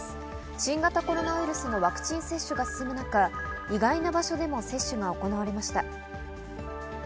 新型コロナウイルスのワクチン接種が進む中、意外な場所でも接種が行われました。